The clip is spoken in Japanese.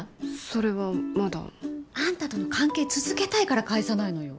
それはまだあんたとの関係続けたいから返さないのよ